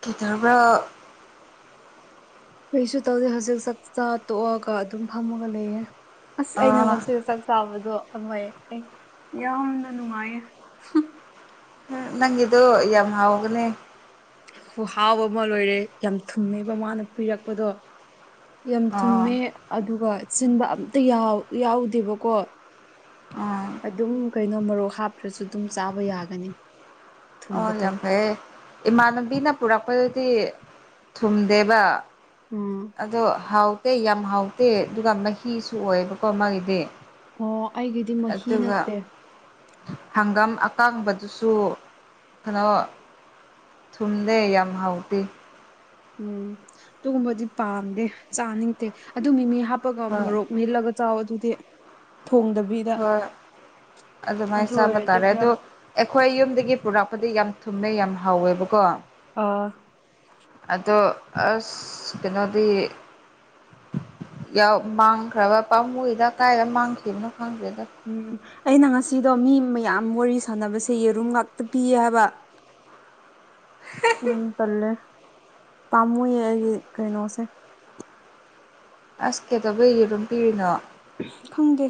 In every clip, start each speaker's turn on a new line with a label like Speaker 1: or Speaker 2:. Speaker 1: ꯀꯤꯗꯧꯕꯔꯣ
Speaker 2: ꯀꯩꯁꯨ ꯇꯧꯗꯦ ꯍꯧꯖꯤꯛ ꯆꯥꯛꯆꯥ ꯇꯣꯛꯑꯒ ꯑꯗꯨꯝ ꯐꯝꯃꯒ ꯂꯩꯌꯦ ꯑꯁ ꯑꯩꯅ
Speaker 1: ꯑꯥ
Speaker 2: ꯉꯁꯤ ꯇꯥꯕꯗꯣ ꯑꯣꯏ ꯑꯩ ꯌꯥꯝꯅ ꯅꯨꯡꯉꯥꯏꯌꯦ
Speaker 1: ꯅꯪꯒꯤꯗꯣ ꯌꯥꯝ ꯍꯥꯎꯒꯅꯦ
Speaker 2: ꯈꯨꯍꯥꯎꯕ ꯑꯃ ꯂꯣꯏꯔꯦ ꯌꯥꯝ ꯊꯨꯝꯃꯦꯕ ꯃꯥꯅ ꯄꯤꯔꯛꯄꯗꯣ ꯌꯥꯝ
Speaker 1: ꯑꯥ
Speaker 2: ꯊꯨꯝꯃꯦ ꯑꯗꯨꯒ ꯆꯤꯟꯕ ꯑꯝꯇ ꯌꯥꯎꯗꯦꯕꯀꯣ
Speaker 1: ꯑꯥ
Speaker 2: ꯑꯗꯨꯝ ꯀꯩꯅꯣ ꯃꯔꯣꯛ ꯍꯥꯞꯇ꯭ꯔꯁꯨ ꯑꯗꯨꯝ ꯆꯥꯕ ꯌꯥꯒꯅꯤ
Speaker 1: ꯑꯣ
Speaker 2: ꯊꯨꯝꯕꯗꯣ
Speaker 1: ꯌꯥꯝ ꯐꯩꯌꯦ ꯏꯃꯥꯟꯅꯕꯤꯅ ꯄꯨꯔꯛꯄꯗꯗꯤ ꯊꯨꯝꯗꯦꯕ
Speaker 2: ꯎꯝ
Speaker 1: ꯑꯗꯣ ꯍꯥꯎ ꯌꯥꯝ ꯍꯥꯎꯇꯦ ꯑꯗꯨꯒ ꯃꯍꯤꯁꯨ ꯑꯣꯏꯌꯦꯕꯀꯣ ꯃꯥꯒꯤꯗꯤ
Speaker 2: ꯑꯣ ꯑꯩꯒꯤꯗꯤ ꯃꯍꯤ
Speaker 1: ꯑꯗꯨꯒ
Speaker 2: ꯅꯠꯇꯦ
Speaker 1: ꯍꯪꯒꯥꯝ ꯑꯀꯥꯡꯕꯗꯨꯁꯨ ꯀꯩꯅꯣ ꯊꯨꯝꯗꯦ ꯌꯥꯝ ꯍꯥꯎꯇꯦ
Speaker 2: ꯎꯝ ꯑꯗꯨꯒꯨꯝꯕꯗꯤ ꯄꯥꯝꯗꯦ ꯆꯥꯅꯤꯡꯗꯦ ꯑꯗꯨ ꯃꯤꯃꯤ ꯍꯥꯞꯄꯒ
Speaker 1: ꯍꯣꯏ
Speaker 2: ꯃꯣꯔꯣꯛ ꯃꯦꯠꯂꯒ ꯆꯥꯎ ꯑꯗꯨꯗꯤ ꯊꯣꯡꯗ
Speaker 1: ꯍꯣꯏ ꯑꯗꯨꯃꯥꯏꯅ ꯆꯥꯕ
Speaker 2: ꯑꯣꯏꯔꯗꯤ
Speaker 1: ꯇꯥꯔꯦ
Speaker 2: ꯈꯔ
Speaker 1: ꯑꯣ ꯑꯩꯈꯣꯏ ꯌꯨꯝꯗꯒꯤ ꯄꯨꯔꯛꯄꯗꯤ ꯌꯥꯝ ꯊꯨꯝꯃꯦ ꯌꯥꯝ ꯍꯥꯎꯋꯦꯕꯀꯣ
Speaker 2: ꯑꯥ
Speaker 1: ꯑꯗꯣ ꯑꯁ ꯀꯩꯅꯣꯗꯤ ꯃꯥꯡꯈ꯭ꯔꯕ ꯄꯥꯝꯕꯃꯨꯏꯗ ꯀꯥꯏꯗ ꯃꯥꯡꯈꯤꯕꯅꯣ ꯈꯪꯗꯦꯗ
Speaker 2: ꯎꯝ ꯑꯩꯅ ꯉꯁꯤꯗꯣ ꯃꯤ ꯃꯌꯥꯝ ꯋꯥꯔꯤ ꯁꯥꯟꯅꯕꯁꯦ ꯌꯦꯔꯨꯝ ꯉꯥꯛꯇ ꯄꯤꯌꯦ ꯍꯥꯏꯕ
Speaker 1: ꯎ [unintelligible]
Speaker 2: ꯌꯥꯝ ꯇꯜꯂꯦ ꯄꯥꯝꯃꯨꯌꯦ ꯑꯩꯒꯤ ꯀꯩꯅꯣꯁꯦ
Speaker 1: ꯑꯁ ꯀꯩꯗꯧꯕꯩ ꯌꯦꯔꯨꯝ ꯄꯤꯔꯤꯅꯣ
Speaker 2: ꯈꯪꯗꯦ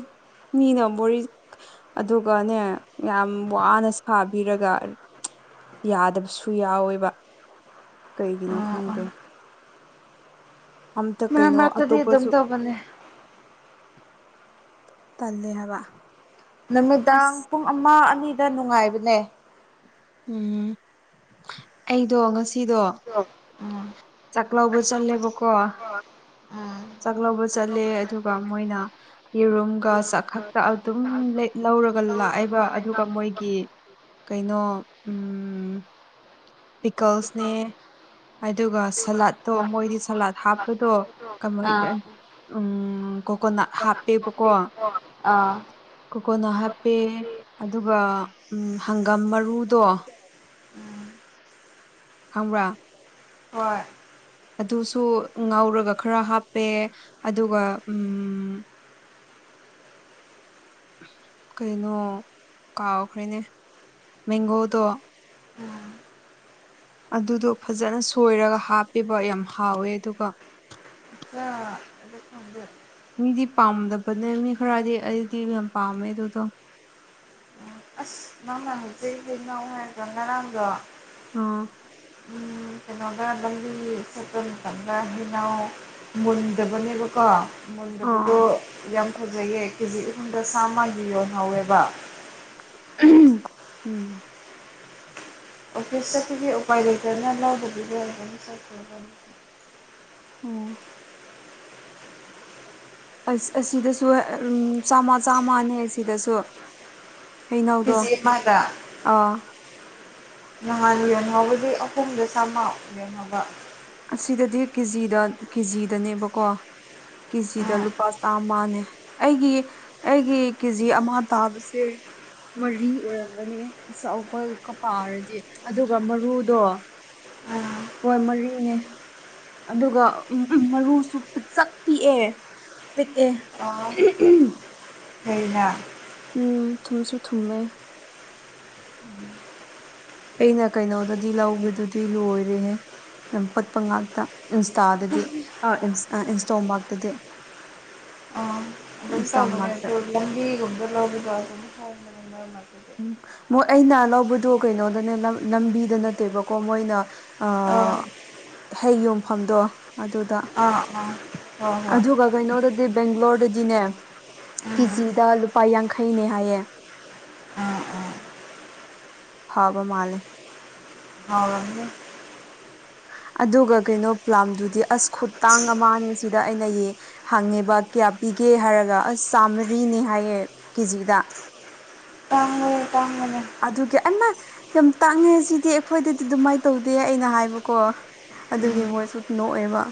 Speaker 2: ꯃꯤꯅ ꯃꯕꯔꯤ ꯑꯗꯨꯒꯅꯦ ꯌꯥꯝ ꯋꯥꯅ ꯁꯥꯕꯤꯔꯒ ꯌꯥꯗꯕꯁꯨ ꯌꯥꯎꯋꯦꯕ ꯀꯩꯒꯤꯅꯣ
Speaker 1: ꯑꯥ
Speaker 2: ꯈꯪꯗꯦ
Speaker 1: ꯑꯥ
Speaker 2: ꯑꯝꯇ
Speaker 1: ꯃꯔꯛ
Speaker 2: ꯀꯩꯅꯣ
Speaker 1: ꯃꯔꯛꯇꯗꯤ ꯑꯗꯨꯝ
Speaker 2: ꯑꯇꯣꯞꯄꯁꯨ
Speaker 1: ꯇꯧꯕꯅꯦ
Speaker 2: ꯇꯜꯦ ꯍꯥꯏꯕ
Speaker 1: ꯅꯨꯃꯤꯗꯥꯡ
Speaker 2: ꯑꯁ
Speaker 1: ꯄꯨꯡ ꯑꯃ ꯑꯅꯤꯗ ꯅꯨꯡꯉꯥꯏꯕꯅꯦ
Speaker 2: ꯎꯝ ꯑꯩꯗꯣ ꯉꯁꯤꯗꯣ
Speaker 1: ꯎꯝ
Speaker 2: ꯆꯥꯛ ꯂꯧꯕ
Speaker 1: [unintelligible]
Speaker 2: ꯆꯥꯛꯂꯧꯕ ꯆꯠꯂꯦ ꯑꯗꯨꯒ ꯃꯣꯏꯅ ꯌꯦꯔꯨꯝꯒ ꯆꯥꯛꯈꯛꯇ ꯑꯗꯨꯝ ꯂꯧꯔꯒ ꯂꯥꯛꯑꯦꯕ ꯑꯗꯨꯒ ꯃꯣꯏꯒꯤ ꯀꯩꯅꯣ ꯎꯝ ꯄꯤꯀꯜꯁꯅꯦ ꯑꯗꯨꯒ ꯁꯂꯥꯠꯇꯣ ꯃꯣꯏꯗꯤ ꯁꯂꯥꯠ ꯍꯥꯞꯄꯗꯣ
Speaker 1: ꯑꯥ
Speaker 2: ꯎꯝ ꯀꯣꯀꯣꯅꯥꯠ ꯍꯥꯞꯄꯦꯕꯀꯣ
Speaker 1: ꯑꯥ
Speaker 2: ꯀꯣꯀꯣꯅꯠ ꯍꯥꯞꯄꯦ ꯑꯗꯨꯒ ꯎ ꯍꯪꯒꯥꯝ ꯃꯔꯨꯗꯣ
Speaker 1: ꯎꯝ
Speaker 2: ꯈꯪꯕꯔꯥ
Speaker 1: ꯍꯏ [unintelligible]
Speaker 2: ꯑꯗꯨꯁꯨ ꯉꯥꯎꯔꯒ ꯈꯔ ꯍꯥꯞꯄꯦ ꯑꯗꯨꯒ ꯎꯝ ꯀꯩꯅꯣ ꯀꯥꯎꯈ꯭ꯔꯦꯅꯦ ꯃꯦꯡꯒꯣꯗꯣ
Speaker 1: ꯎꯝ
Speaker 2: ꯑꯗꯨꯗꯣ ꯐꯖꯅ ꯁꯣꯏꯔꯒ ꯍꯥꯞꯄꯤꯕ ꯌꯥꯝ ꯍꯥꯎꯋꯦ ꯑꯗꯨꯒ
Speaker 1: ꯑ ꯑꯗꯨ ꯐꯗ [unintelligible]
Speaker 2: ꯃꯤꯗꯤ ꯄꯥꯝꯗꯕꯅꯦ ꯃꯤ ꯈꯔꯗꯤ ꯑꯩꯗꯤ ꯌꯥꯝ ꯄꯥꯝꯃꯦ ꯑꯗꯨꯗꯣ
Speaker 1: ꯑꯁ ꯅꯪꯅ ꯍꯧꯆꯛꯁꯅꯥꯎ ꯍꯥꯏꯗ꯭ꯔꯣ ꯉꯔꯥꯡꯗꯣ
Speaker 2: ꯑꯣ
Speaker 1: [unintelligible] ꯀꯩꯅꯣꯗꯗꯤ ꯁꯥꯏꯀꯜꯗ ꯍꯅꯥꯎ ꯃꯨꯟꯗꯕꯅꯦꯕꯀꯣ
Speaker 2: ꯑꯥ
Speaker 1: ꯃꯨꯟꯗꯕꯗꯣ ꯌꯥꯝ ꯐꯖꯩꯌꯦꯦ ꯀꯦꯖꯤ ꯑꯍꯨꯝꯗ ꯆꯥꯝꯃꯒꯤ ꯌꯣꯟꯍꯧꯋꯦꯕ
Speaker 2: [unintelligible] ꯎꯝ
Speaker 1: ꯑꯣꯐꯤꯁ ꯆꯠꯄꯒꯤ ꯎꯄꯥꯏ ꯂꯩꯇꯅ ꯂꯧꯕꯗꯅꯤ
Speaker 2: ꯑꯣ ꯑꯁ ꯑꯁꯤꯗꯁꯨ ꯎ ꯆꯥꯝꯃ ꯆꯥꯝꯃꯅꯦ ꯑꯁꯤꯗꯁꯨ ꯍꯩꯅꯧꯗꯣ
Speaker 1: ꯀꯦꯖꯤ ꯑꯃꯗ
Speaker 2: ꯑꯥ
Speaker 1: ꯅꯍꯥꯟ ꯌꯦꯟꯍꯧꯕꯗꯤ ꯑꯍꯨꯝꯗ ꯆꯝꯃꯥꯎ ꯌꯦꯡꯍꯧꯕ
Speaker 2: ꯑꯁꯤꯗꯗꯤ ꯀꯦꯖꯤꯗ ꯀꯦꯖꯤꯗꯅꯦꯕꯀꯣ ꯀꯦꯖꯤꯗ
Speaker 1: ꯎꯝ
Speaker 2: ꯂꯨꯄꯥ ꯆꯥꯃꯅꯦ ꯑꯩꯒꯤ ꯑꯩꯒꯤ ꯀꯦꯖꯤ ꯑꯃ ꯇꯥꯕꯁꯦ ꯃꯔꯤ ꯑꯣꯏꯔꯝꯒꯅꯤ ꯑꯆꯥꯄꯜꯀ ꯄꯥꯔꯗꯤ ꯑꯗꯨꯒ ꯃꯔꯨꯗꯣ
Speaker 1: ꯎꯝ
Speaker 2: ꯍꯣꯏ ꯃꯔꯤꯅꯦ ꯑꯗꯨꯒ ꯎ ꯃꯔꯨꯁꯨ ꯄꯆꯛ ꯄꯤꯛꯑꯦ ꯄꯤꯛꯑꯦ
Speaker 1: ꯑꯩꯅ
Speaker 2: ꯎꯝ ꯊꯨꯝꯁꯨ ꯊꯨꯝꯃꯦ
Speaker 1: [unintelligible]
Speaker 2: ꯑꯩꯅ ꯀꯩꯅꯣꯗꯗꯤ ꯂꯧꯕꯗꯨꯗꯤ ꯂꯣꯏꯔꯦꯍꯦ ꯄꯠꯄ ꯉꯥꯛꯇ ꯏꯟꯁꯇꯥꯗꯗꯤ ꯑ ꯏꯟꯁꯇꯣ ꯉꯥꯛꯇꯗꯤ
Speaker 1: ꯑꯣ
Speaker 2: ꯏꯟꯁꯇꯥꯃꯥꯔꯛꯇ
Speaker 1: ꯂꯝꯕꯤꯒꯨꯝꯕ [unintelligible]
Speaker 2: ꯎꯝ ꯃꯣꯏ ꯑꯩꯅ ꯂꯧꯕꯗꯣ ꯀꯩꯅꯣꯗꯅꯦ ꯂꯝꯕꯤꯗ ꯅꯠꯇꯦꯕꯀꯣ ꯃꯣꯏꯅ ꯑꯥ
Speaker 1: ꯑꯣ
Speaker 2: ꯍꯩ ꯌꯣꯟꯐꯝꯗꯣ ꯑꯗꯨꯗ
Speaker 1: ꯑꯥ ꯑꯥ ꯍꯣꯏ ꯍꯣꯏ
Speaker 2: ꯑꯗꯨꯒ ꯀꯩꯅꯣꯗꯗꯤ ꯕꯦꯡꯒ꯭ꯂꯣꯔꯗꯗꯤꯅꯦ
Speaker 1: ꯎꯝ
Speaker 2: ꯀꯦꯖꯤꯗ ꯂꯨꯄꯥ ꯌꯥꯡꯈꯩꯅꯦ ꯍꯥꯏꯌꯦ
Speaker 1: ꯑꯥ ꯑꯥ
Speaker 2: ꯐꯕ ꯃꯥꯂꯦ
Speaker 1: ꯍꯥꯎꯔꯝꯅꯤ
Speaker 2: ꯑꯗꯨꯒ ꯀꯩꯅꯣ ꯄ꯭ꯂꯥꯝꯗꯨꯗꯤ ꯑꯁ ꯈꯨꯇꯥꯡ ꯑꯃꯅꯦ ꯁꯤꯗ ꯑꯩꯅ ꯌꯦ ꯍꯪꯉꯦꯕ ꯀꯌꯥ ꯄꯤꯒꯦ ꯍꯥꯏꯔꯒ ꯑꯁ ꯆꯥꯝꯃꯔꯤꯅꯦ ꯍꯥꯏꯌꯦ ꯀꯦꯖꯤꯗ
Speaker 1: ꯇꯥꯡꯏ ꯇꯥꯡꯕꯅꯦ
Speaker 2: ꯑꯗꯨꯒꯤ ꯑꯩ ꯃ ꯌꯥꯝ ꯇꯥꯡꯉꯦ ꯁꯤꯗꯤ ꯑꯩꯈꯣꯏꯗꯗꯤ ꯑꯗꯨꯃꯥꯏꯅ ꯇꯧꯗꯦ ꯑꯩꯅ ꯍꯥꯏꯕꯀꯣ ꯑꯗꯨꯒꯤ ꯃꯣꯏꯁꯨ ꯅꯣꯛꯑꯦꯕ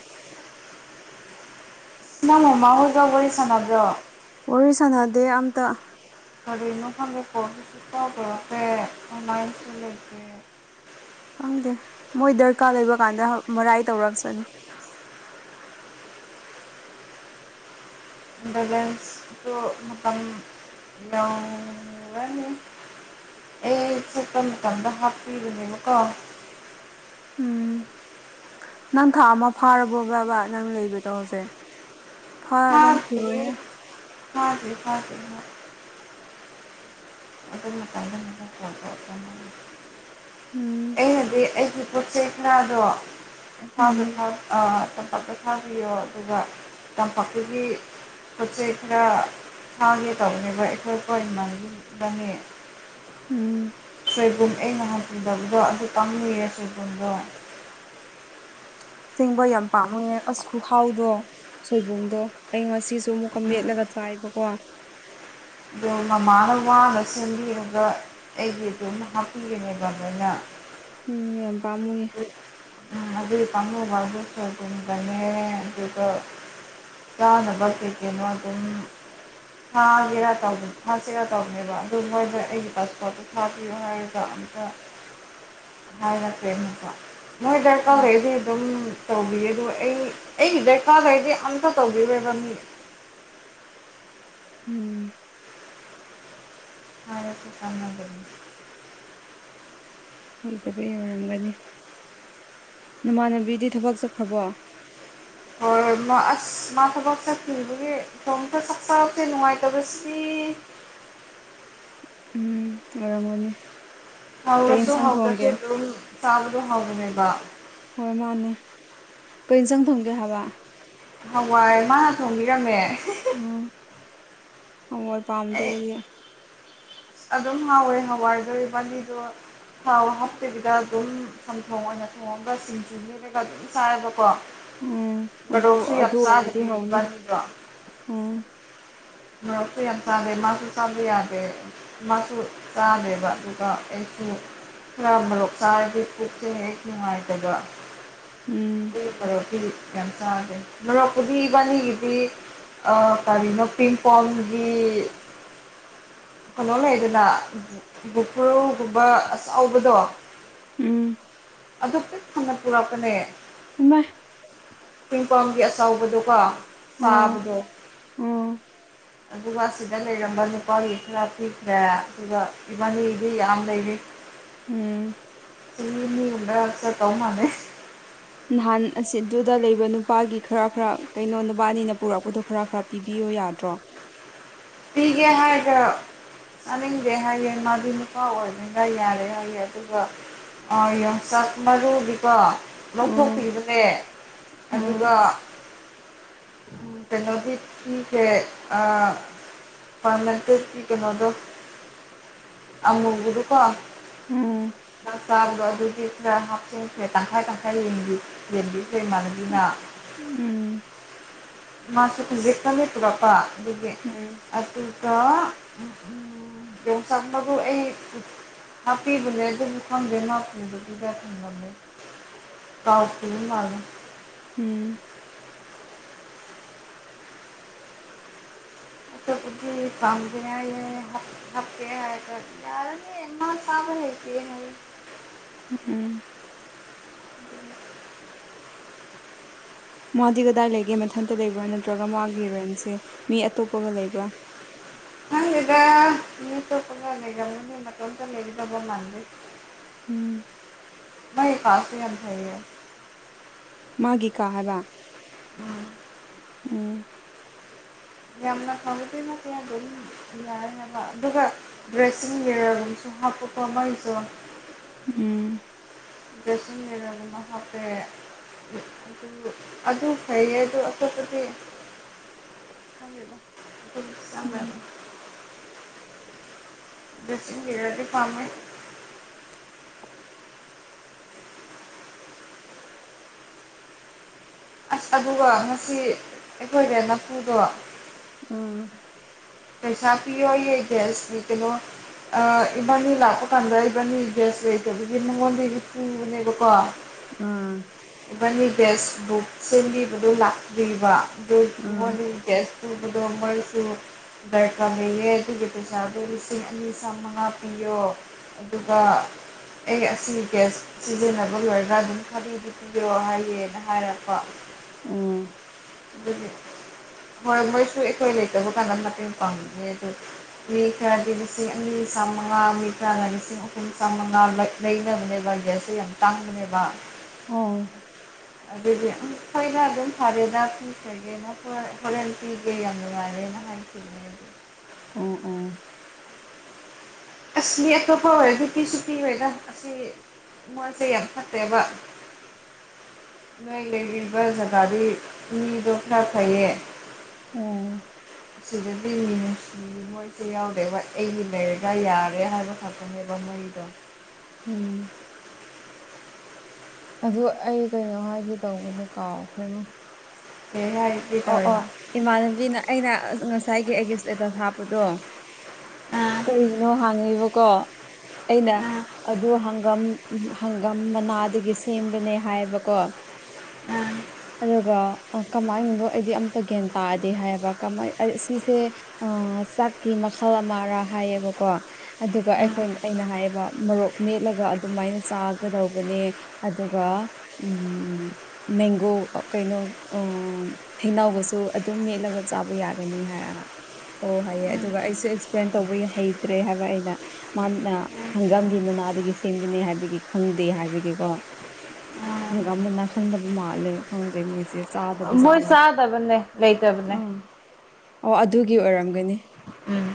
Speaker 1: ꯅꯪ ꯃꯍꯣꯏꯖꯣ ꯋꯔꯤ ꯁꯥꯟꯅꯕ꯭ꯔꯣ
Speaker 2: ꯋꯥꯔꯤ ꯁꯥꯟꯅꯗꯦ ꯑꯝꯇ
Speaker 1: ꯀꯔꯤꯅꯣ ꯈꯪꯒꯤ ꯄꯣꯁꯨ ꯇꯕꯔꯁꯦ ꯑꯃꯥꯏꯟꯁꯨ ꯂꯩꯇꯦ
Speaker 2: ꯐꯪꯗꯦ ꯃꯣꯏ ꯗꯔꯀꯥꯔ ꯂꯩꯕ ꯀꯥꯟꯗ ꯃꯔꯥꯏ ꯇꯧꯔꯛ ꯆꯅꯤ
Speaker 1: [unintelligible] ꯃꯇꯝ ꯌꯧꯔꯅꯤ ꯑꯦ ꯏꯦ ꯇꯅ ꯀꯗ ꯍꯥ ꯄꯤꯔꯕꯀꯥ
Speaker 2: ꯎꯝ ꯅꯪ ꯊꯥ ꯑꯃ ꯐꯥꯔꯕꯣ ꯕꯕꯥ ꯅꯪ ꯂꯩꯕ ꯇꯧꯁꯦ
Speaker 1: [unintelligible] [unintelligible]
Speaker 2: ꯎꯝ
Speaker 1: ꯑꯩ ꯍꯧꯗꯤ ꯑꯩ ꯄꯣꯠ ꯆꯩ ꯈꯨꯔꯗꯣ ꯏꯝꯐꯥꯎꯗ
Speaker 2: ꯎꯝ
Speaker 1: ꯊꯥꯎ ꯇꯝꯄꯥꯛ ꯊꯥꯕꯤꯌꯣ ꯑꯗꯨꯒ ꯇꯝꯄꯥꯛꯇꯨꯒꯤ ꯄꯣꯠ ꯆꯩ ꯈꯔ ꯊꯥꯡꯒꯦ ꯇꯧꯅꯦꯕ ꯑꯩꯈꯣꯏ ꯈꯋꯥ ꯏꯃꯥꯟꯅꯕꯤ ꯢꯕꯥꯟꯅꯤ
Speaker 2: ꯎꯝ
Speaker 1: ꯁꯣꯏꯕꯨꯝ ꯑꯩ ꯅꯍꯥꯟ ꯄꯨꯗꯕꯗꯣ ꯑꯗꯨ ꯄꯥꯃꯨꯏꯌꯦ ꯁꯣꯏꯕꯨꯝꯗꯣ
Speaker 2: ꯁꯦꯡꯕ ꯌꯥꯝ ꯄꯥꯝꯃꯨꯏꯑꯦ ꯑꯁ ꯈꯨꯍꯥꯎꯗꯣ ꯁꯣꯏꯕꯨꯝꯗꯣ ꯑꯩ ꯉꯁꯤunintelligible ꯑꯗꯨ ꯑꯃꯨꯛꯀ ꯃꯦꯠꯂꯒ ꯆꯥꯏꯕꯀꯣ
Speaker 1: ꯑꯗꯣ ꯃꯃꯥꯅ ꯋꯥꯅ ꯁꯦꯝꯕꯤꯔꯒ ꯑꯩꯒꯤ ꯑꯗꯨꯝ ꯍꯥꯞꯄꯤꯕꯅꯦꯕ ꯃꯣꯏꯅ
Speaker 2: ꯎꯝ ꯌꯥꯝ ꯄꯥꯝꯃꯨꯌꯦ
Speaker 1: ꯎꯝ ꯑꯗꯨꯒꯤ ꯄꯥꯝꯃꯨꯕꯕꯨ ꯁꯣꯏꯕꯨꯝꯒꯅꯦ ꯑꯗꯨꯒ ꯆꯥꯅꯕ ꯀꯩ ꯀꯩꯅꯣ ꯑꯗꯨꯝ ꯍꯒꯦꯔ ꯇꯧꯅꯤ inaudible ꯁꯤꯦꯔ ꯇꯧꯔꯅꯦꯕ ꯑꯗꯨ ꯉꯧꯕꯩ ꯑꯩꯒꯤ ꯄꯥꯁꯋꯥꯔꯗꯇꯣ inaudibleꯍꯥꯏꯔꯒ ꯑꯝꯇ
Speaker 2: inaudible
Speaker 1: inaudible ꯅꯣꯏ ꯗꯔꯀꯥ꯭ꯔ
Speaker 2: ꯑ,
Speaker 1: ꯂꯩꯔꯗꯤ ꯑꯗꯨꯝ ꯇꯧꯕꯤꯌꯦ ꯑꯗꯨꯒ ꯑꯩ ꯑꯩꯒꯤ ꯗꯔꯀꯥꯔ ꯂꯩꯔꯗꯤ ꯑꯝꯇ ꯇꯧꯕꯤꯔꯣꯏꯕ ꯃꯤꯅ
Speaker 2: ꯎꯝ
Speaker 1: ꯍꯥꯏꯔꯁꯨ ꯀꯥꯟꯅꯗꯝꯅꯦ
Speaker 2: ꯍꯩꯇꯕꯩ ꯑꯣꯏꯔꯝꯒꯅꯤ ꯅꯃꯥꯟꯅꯕꯤꯗꯤ ꯊꯕꯛ ꯆꯠꯈ꯭ꯔꯕꯣ
Speaker 1: inaudibleꯑꯁ ꯃꯥ ꯊꯕꯛ ꯆꯠꯈꯤꯕꯒꯤ ꯏꯇꯣꯝꯇ Inaudibleꯅꯨꯡꯉꯥꯏꯇꯕ ꯁꯤ ꯗꯤ
Speaker 2: ꯎꯝ ꯑꯣꯏꯔꯝꯒꯅꯤ ꯀꯩ
Speaker 1: ꯍꯥꯎꯔꯁꯨ
Speaker 2: ꯏꯟꯁꯥꯡ
Speaker 1: ꯍꯥꯎꯇꯔꯁꯨ
Speaker 2: ꯊꯣꯡꯒꯦ
Speaker 1: ꯑꯗꯨꯝ ꯆꯥꯕꯗꯣ ꯍꯥꯎꯕꯅꯦꯕ
Speaker 2: ꯍꯣꯏ ꯃꯥꯅꯦ ꯀꯔꯤ ꯏꯟꯁꯥꯡ ꯊꯣꯡꯒꯦ ꯍꯥꯏꯕ
Speaker 1: ꯍꯋꯥꯏ ꯃꯥꯅ ꯊꯣꯡꯕꯤꯔꯝꯃꯦ
Speaker 2: ꯎꯝ ꯍꯋꯥꯏ ꯄꯥꯝꯗꯦ
Speaker 1: ꯑꯩ
Speaker 2: ꯑꯩꯗꯤ
Speaker 1: ꯑꯗꯨꯝ ꯍꯥꯎꯋꯦ ꯍꯋꯥꯏ inaudible ꯊꯥꯎ ꯍꯥꯞꯇꯕꯤꯗ ꯑꯗꯨꯝ ꯆꯝꯊꯣꯡ ꯑꯣꯏꯅ ꯊꯣꯡꯉꯒ ꯁꯤꯡꯖꯨ inaudible--ꯑꯗꯨꯝ ꯆꯥꯔꯕꯀꯣ
Speaker 2: ꯎꯝ ꯑꯗꯨꯕꯨ
Speaker 1: ꯃꯣꯔꯣꯛꯁꯨ ꯌꯥꯝ
Speaker 2: ꯑꯗꯨ ꯑꯣꯏꯔꯗꯤ
Speaker 1: ꯆꯥꯗꯕꯤ
Speaker 2: ꯍꯥꯎꯅꯤ
Speaker 1: ꯏꯕꯥꯅꯤꯗꯣ
Speaker 2: ꯎꯝ
Speaker 1: ꯃꯣꯔꯣꯛꯁꯨ ꯌꯥꯝ ꯆꯥꯗꯦ ꯃꯥꯁꯨ ꯆꯥꯕ ꯌꯥꯗꯦ ꯃꯥꯁꯨꯨ ꯆꯥꯗꯦꯕ ꯑꯗꯨꯒ ꯑꯩꯁꯨ ꯈꯔ ꯃꯣꯔꯣꯛ ꯆꯥꯔꯗꯤ ꯄꯨꯛ ꯁꯦ ꯍꯦꯛ ꯅꯨꯡꯉꯥꯏꯇꯕ
Speaker 2: ꯎꯝ
Speaker 1: inaudible--ꯀꯥꯌꯥꯝ ꯆꯥꯒꯦ ꯃꯣꯔꯣꯛꯄꯨꯗꯤ ꯏꯕꯥꯟꯅꯤꯒꯤꯗꯤ ꯑ ꯀꯔꯤꯅꯣ ꯄꯤꯡ ꯄꯣꯝꯒꯤ ꯀꯩꯅꯣ ꯂꯩꯗꯅ inaudibleꯑꯆꯥꯎꯕꯗꯣ
Speaker 2: ꯎꯝ
Speaker 1: ꯑꯗꯨ ꯄꯤꯛ ꯊꯟꯅ ꯄꯨꯔꯛꯄꯅꯦ
Speaker 2: ꯏꯃꯥꯏ
Speaker 1: ꯄꯤꯡ ꯄꯣꯝꯒꯤ ꯑꯆꯧꯕꯗꯣꯀꯣ ꯆꯥꯕꯗꯣ
Speaker 2: ꯎꯝ
Speaker 1: ꯑꯗꯨꯒ ꯁꯤꯗ ꯂꯩꯔꯝꯕ ꯅꯨꯄꯥꯒꯤ ꯈꯔ ꯄꯤꯈ꯭ꯔꯦ ꯑꯗꯨꯒ ꯏꯕꯥꯅꯤꯗꯤ ꯌꯥꯝ ꯂꯩꯔꯤ
Speaker 2: ꯎꯝ
Speaker 1: ꯆꯍꯤ ꯑꯅꯤꯒꯨꯝꯕ ꯆꯠꯇꯧ ꯃꯥꯜꯂꯦ
Speaker 2: ꯅꯍꯥꯟ ꯑꯁꯤꯗꯨꯗ ꯂꯩꯕ ꯅꯨꯄꯥꯒꯤ ꯈꯔ ꯈꯔ ꯀꯩꯅꯣ ꯅꯕꯥꯟꯅꯤꯅ ꯄꯨꯔꯛꯄꯗꯣ ꯈꯔ ꯈꯔ ꯄꯤꯕꯤꯌꯣ ꯌꯥꯗ꯭ꯔꯣ
Speaker 1: ꯄꯤꯒꯦ ꯍꯥꯏꯔꯒ ꯌꯥꯅꯤꯡꯗꯦ ꯍꯥꯏꯌꯦ ꯃꯥꯗꯤ ꯅꯨꯄꯥ ꯑꯣꯏꯕꯅꯤꯅ ꯌꯥꯔꯦ ꯍꯥꯏꯌꯦꯦ ꯑꯗꯨꯒ ꯑ ꯌꯣꯡꯆꯥꯛ ꯃꯔꯨꯒꯤꯀꯣ
Speaker 2: ꯎꯝ
Speaker 1: ꯂꯧꯊꯣꯛꯄꯤꯈꯤꯕꯅꯦ ꯑꯗꯨꯒ
Speaker 2: ꯎꯝ
Speaker 1: ꯀꯩꯅꯣꯗꯤ ꯄꯤꯈꯔꯦ ꯑꯥ inaudible--ꯀꯩꯅꯣꯗꯣ ꯑꯃꯨꯕꯗꯣꯀꯣ inaudible
Speaker 2: ꯎꯝ
Speaker 1: ꯆꯥꯕꯗꯣ ꯑꯗꯨꯗꯤ ꯈꯔ ꯍꯥꯞꯆꯤꯟꯈ꯭ꯔꯦ ꯇꯪꯈꯥꯏ ꯇꯪꯈꯥꯏ ꯂꯦꯟꯕꯤ ꯌꯦꯦꯟꯕꯤꯁꯩ ꯃꯥꯟꯅꯅꯤꯅ
Speaker 2: ꯎꯝ
Speaker 1: ꯃꯥꯁꯨꯖꯤ ꯀꯝꯠꯇꯨꯔꯄꯥ ꯑꯗꯨꯗꯤ
Speaker 2: ꯎꯝ
Speaker 1: ꯑꯗꯨꯠꯇ ꯎ ꯄꯣꯁꯥꯛ ꯕꯨ ꯑꯩ ꯍꯥꯄꯤꯕꯂꯦꯗ ꯊꯣꯟꯗꯄꯤꯗ ꯂꯦ ꯇꯥꯎꯄꯤ ꯃꯥ
Speaker 2: ꯎꯝ
Speaker 1: ꯐꯥꯡꯗ ꯑꯀꯦ ꯍꯥꯏꯦ ꯌꯥꯔꯗꯤ ꯃꯥ ꯁꯥꯕ ꯍꯇ
Speaker 2: ꯎꯝ ꯎꯝ ꯃꯥꯗꯤ ꯀꯗꯥꯏ ꯂꯩꯒꯦ ꯃꯊꯟꯇ ꯂꯩꯕ꯭ꯔꯥ ꯅꯠꯇ꯭ꯔꯒ ꯃꯥꯒꯤ ꯔꯦꯟꯁꯦ ꯃꯤ ꯑꯇꯣꯞꯄꯒ ꯂꯩꯕ꯭ꯔꯥ
Speaker 1: ꯍꯪ ꯏꯗ ꯃꯤ ꯇꯒ ꯂꯩꯒꯅ ꯇ ꯂꯩꯗꯕ ꯃꯗ
Speaker 2: ꯎꯝ
Speaker 1: ꯀꯁꯤ ꯊ
Speaker 2: ꯃꯥꯒꯤ ꯀꯥ ꯍꯥꯏꯕ
Speaker 1: ꯎꯝ
Speaker 2: ꯎꯝ
Speaker 1: ꯌꯥꯝꯅ ꯊꯥꯎꯗꯅ ꯀꯂꯥꯏꯅꯤ ꯌꯥꯅꯕ ꯑꯗꯨꯒ ꯗ꯭ꯔꯦꯁꯤꯡꯔꯤꯁꯨ ꯍꯥꯞꯄꯀꯣ ꯃꯩꯁꯨ
Speaker 2: ꯎꯝ
Speaker 1: ꯁꯗ ꯃꯍꯥꯛ ꯍꯥꯄꯦ ꯑꯗꯨ ꯑꯗꯨ ꯐꯩꯌꯦꯗꯣ ꯑꯇꯣꯞꯄꯗꯤ ꯍꯥꯏꯗꯝ
Speaker 2: ꯎꯝ
Speaker 1: ꯁ ꯍꯔꯗꯤ ꯐꯥꯝꯃꯦ ꯑꯁ ꯑꯗꯨꯒ ꯉꯁꯤ ꯑꯩꯈꯣꯏꯒꯤ ꯅꯐꯨꯗꯣ
Speaker 2: ꯑꯥ
Speaker 1: ꯄꯩꯁꯥ ꯄꯤꯑꯣꯌꯦ ꯦꯁ ꯀꯩꯅꯣ ꯑ ꯏꯕꯥꯅꯤ ꯂꯥꯛꯄ ꯀꯥꯟꯗ ꯏꯕꯥꯅꯤ ꯦꯁ ꯂꯩꯇꯕꯒꯤ ꯅꯪꯉꯣꯟꯗꯗꯤ ꯄꯨꯨꯕꯅꯦꯕꯀꯣ
Speaker 2: ꯎꯝ
Speaker 1: ꯏꯕꯥꯅꯤ ꯕꯦꯁ ꯕꯨꯛ ꯁꯦꯝꯕꯤꯕꯗꯨꯣ ꯂꯥꯛꯂꯤꯕ ꯗ
Speaker 2: ꯑꯥ
Speaker 1: ꯃꯣꯔꯅꯤꯡ ꯦꯁ ꯊ ꯗꯔꯁꯨ ꯩꯀꯥ ꯂꯩꯌꯦ ꯇꯒꯇ ꯁꯥꯕꯗꯒꯤ ꯁꯝꯅ ꯄꯤꯣ ꯑꯗꯨꯒ ꯑꯩꯒꯦꯁ ꯁꯤꯖꯤꯟꯅꯕ ꯂꯣꯏꯔꯒ ꯑꯗꯨꯝ ꯈꯔꯤꯗꯤ ꯄꯤꯕꯤꯔꯛꯑꯣ ꯍꯥꯏꯌꯦꯦꯅ ꯍꯥꯏꯔꯛꯄꯣ
Speaker 2: ꯎꯝ
Speaker 1: ꯑꯗꯨꯗꯤ ꯍꯣꯏ ꯃꯣꯏꯁꯨ ꯑꯩꯈꯣꯏ ꯂꯩꯇꯧꯕ ꯀꯥꯟꯅ ꯐ ꯄꯝ ꯑꯗꯨ ꯃꯤ ꯈꯔꯗꯤ ꯂꯤꯁꯤꯡ ꯑꯅꯤ ꯆꯥꯃꯉꯥ ꯃꯤ ꯈꯔꯅ ꯂꯤꯁꯤꯡ ꯑꯍꯨꯝ ꯆꯥꯝꯃꯉꯥ ꯂꯩꯅꯕꯅꯦꯕ ꯒ꯭ꯌꯥꯁꯁꯦ ꯌꯥꯝ ꯇꯥꯡꯕꯅꯦꯕ
Speaker 2: ꯑꯣ
Speaker 1: ꯑꯗꯨꯗꯤ ꯑꯩꯈꯣꯏꯅ ꯑꯗꯨꯝ ꯐꯔꯦꯗ ꯀꯁꯒꯦꯅ ꯍꯣꯔꯦꯟꯇꯤꯒꯦ ꯌꯥꯝ ꯅꯨꯡꯉꯥꯏꯔꯦꯅ ꯍꯥꯏ ꯎ
Speaker 2: ꯑꯣ ꯑꯣ
Speaker 1: ꯑꯁꯂꯤ ꯑꯇꯣꯞꯄ ꯑꯣꯏ ꯨꯄꯤ ꯁꯨꯤ ꯑꯣꯏꯒ ꯑꯁꯤ ꯃꯁ ꯌꯥꯝ ꯐꯠꯇꯦꯕ ꯂꯩꯣꯏ ꯂꯩꯕꯤꯕꯖꯒꯔꯤꯅꯤꯗꯣ ꯈꯥ ꯐꯌꯦ
Speaker 2: ꯑꯣ
Speaker 1: ꯑꯗꯨ ꯃꯣꯏꯁꯦ ꯌꯥꯎꯗꯦꯕ ꯑꯩꯒꯤ ꯂꯩꯔꯒ ꯌꯥꯔꯦ ꯍꯥꯏꯕ ꯈꯥꯛꯇꯅꯦꯕ ꯃꯩꯗꯣ
Speaker 2: ꯎꯝ ꯑꯗꯨ ꯑꯩ ꯀꯩꯅꯣ ꯍꯥꯏꯒꯦ ꯇꯧꯕꯅꯦ ꯀꯥꯎꯈ꯭ꯔꯦꯉꯣ
Speaker 1: [unintelligible]
Speaker 2: ꯑꯣ ꯑꯣ ꯏꯃꯥꯟꯅꯕꯤꯅ ꯑꯩꯅ ꯉꯁꯥꯏꯒꯤ ꯑꯩꯒꯤ ꯏꯁꯇꯦꯇꯁ ꯍꯥꯞꯄꯗꯣ ꯀꯔꯤꯅꯣ ꯍꯥꯡꯉꯦꯕꯀꯣ ꯑꯩꯅ ꯑꯗꯨ ꯍꯪꯒꯝ ꯍꯪꯒꯝ ꯃꯅꯥꯗꯒꯤ ꯁꯦꯝꯕꯅꯦ ꯍꯥꯏꯕꯀꯣ ꯑꯗꯨꯒ ꯀꯃꯥꯏ ꯅꯅꯣ ꯑꯩꯗꯤ ꯑꯝꯇ ꯒ꯭ꯌꯥꯟ ꯇꯥꯗꯦ ꯍꯥꯏꯌꯦꯕ ꯀꯃꯥꯏ ꯑꯩ ꯑꯁꯤꯁꯦ ꯑ ꯆꯥꯛꯀꯤ ꯃꯈꯜ ꯑꯃꯔꯥ ꯍꯥꯏꯌꯦꯕꯀꯣ ꯑꯗꯨꯒ ꯑꯩꯈꯣꯏꯅ ꯑꯩꯅ ꯍꯥꯏꯌꯦꯕ ꯃꯣꯔꯣꯛ ꯃꯦꯠꯂꯒ ꯑꯗꯨꯃꯥꯏꯅ ꯆꯥꯒꯗꯧꯕꯅꯦ ꯑꯗꯨꯒ ꯎꯝ ꯃꯦꯡꯒꯣ ꯀꯩꯅꯣ ꯑꯥ ꯍꯩꯅꯧꯒꯁꯨ ꯑꯗꯨꯝ ꯃꯦꯠꯂꯒ ꯆꯥꯕ ꯌꯥꯒꯅꯤ ꯍꯥꯏ ꯑꯣ ꯍꯥꯏꯌꯦ ꯑꯗꯨꯒ ꯑꯩꯁꯨ ꯑꯦꯛꯁꯄ꯭ꯂꯦꯟ ꯇꯧꯕ ꯍꯩꯇ꯭ꯔꯦ ꯍꯥꯏꯕ ꯑꯩꯅ ꯃꯥꯅ ꯍꯪꯒꯥꯝꯒꯤ ꯃꯅꯥꯗꯒꯤ ꯁꯦꯝꯕꯅꯦ ꯍꯥꯏꯕꯒꯤ ꯈꯪꯗꯦ ꯍꯥꯏꯕꯒꯤꯀꯣ ꯍꯪꯒꯥꯝ ꯃꯅꯥ ꯈꯪꯗꯕ ꯃꯥꯜꯂꯦ ꯈꯪꯗꯦ ꯃꯣꯏꯁꯦ ꯆꯥꯗꯕ
Speaker 1: ꯃꯣꯏ
Speaker 2: ꯖꯥꯠꯂꯥ
Speaker 1: ꯆꯥꯗꯕꯅꯦ ꯂꯩꯇꯕꯅꯦ
Speaker 2: ꯑꯥ ꯑꯣ ꯑꯗꯨꯒꯤ ꯑꯣꯏꯔꯝꯒꯅꯤ
Speaker 1: ꯎꯝ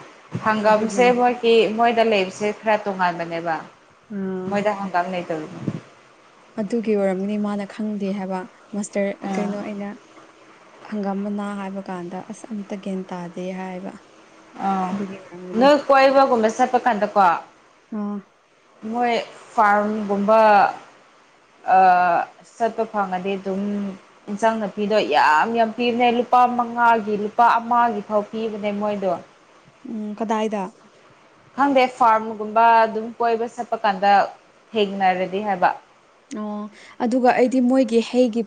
Speaker 1: ꯍꯪꯒꯥꯝꯁꯦ
Speaker 2: ꯑꯗꯨꯒꯤꯅꯤ
Speaker 1: ꯃꯣꯏꯒꯤ ꯃꯣꯏꯗ ꯂꯩꯕꯁꯦ ꯈꯔ ꯇꯣꯉꯥꯟꯕꯅꯦꯕ
Speaker 2: ꯑꯥ
Speaker 1: ꯃꯣꯏꯗ ꯍꯪꯒꯥꯝ ꯂꯩꯇꯝ
Speaker 2: ꯑꯗꯨꯒꯤ ꯑꯣꯏꯔꯝꯅꯤ ꯃꯥꯅ ꯈꯪꯗꯦ ꯍꯥꯏꯕ ꯃꯥꯁꯇꯔ
Speaker 1: ꯎꯝ
Speaker 2: ꯀꯩꯅꯣ ꯑꯩꯅ ꯍꯪꯒꯥꯝ ꯃꯅꯥ ꯍꯥꯏꯕ ꯀꯥꯟꯗ ꯑꯁ ꯑꯝꯇ ꯒ꯭ꯌꯥꯟ ꯇꯥꯗꯦ ꯍꯥꯏꯌꯦꯕ
Speaker 1: ꯑ ꯅꯣꯏ ꯀꯣꯏꯕ ꯀꯨꯝꯕ ꯆꯇꯄꯀꯥꯟꯗꯀꯣ
Speaker 2: ꯑꯥ
Speaker 1: ꯃꯣꯏ ꯐꯥꯔꯝꯒꯨꯝꯕ ꯑ ꯆꯠꯄ ꯐꯪꯉꯗꯤ ꯑꯗꯨꯝ ꯏꯟꯁꯥꯡ ꯅꯥꯄꯤꯗꯣ ꯌꯥꯝ ꯌꯥꯝ ꯄꯤꯕꯅꯦ ꯂꯨꯄꯥ ꯃꯉꯥꯒꯤ ꯂꯨꯄꯥ ꯑꯃꯒꯤ ꯐꯥꯎ ꯄꯤꯕꯅꯦ ꯃꯣꯏꯗꯣ
Speaker 2: ꯎꯝ ꯀꯗꯥꯏꯗ
Speaker 1: ꯈꯪꯗꯦ ꯐꯥꯔꯝꯒꯨꯝꯕ ꯑꯗꯨꯝ ꯀꯣꯏꯕ ꯆꯠꯄ ꯀꯥꯟꯗ ꯊꯦꯡꯅꯔꯗꯤ ꯍꯥꯏꯕ
Speaker 2: ꯑꯣ ꯑꯗꯨꯒ ꯑꯩꯗꯤ ꯃꯣꯏꯒꯤ ꯍꯩꯒꯤ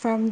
Speaker 2: ꯐꯥꯔꯝꯗ